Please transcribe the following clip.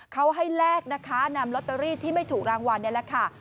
เขาให้แลกนะคะนำลอตเตอรี่ที่ไม่ถูกรางวัลนี่แหละค่ะ